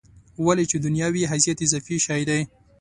ولې چې دنیا وي حیثیت اضافي شی دی.